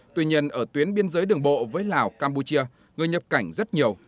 tuy nhiên ở tuyến biên giới đường bộ với lào campuchia người nhập cảnh rất nhiều